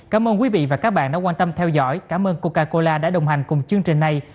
cảm ơn quý vị và các bạn đã quan tâm theo dõi cảm ơn coca cola đã đồng hành cùng chương trình này